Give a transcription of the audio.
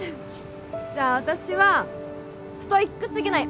じゃあ私はストイックすぎない